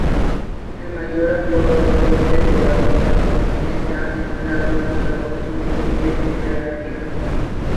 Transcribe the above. El mayor aporte de agua esta laguna lo obtiene por vía freática.